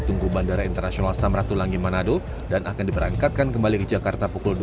tunggu bandara internasional samratulangi manado dan akan diperangkatkan kembali ke jakarta pukul